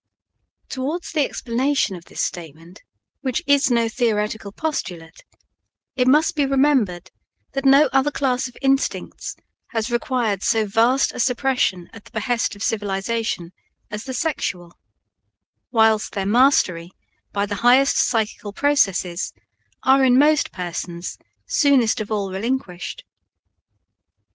Towards the explanation of this statement, which is no theoretical postulate, it must be remembered that no other class of instincts has required so vast a suppression at the behest of civilization as the sexual, whilst their mastery by the highest psychical processes are in most persons soonest of all relinquished.